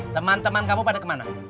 teman teman kamu pada kemana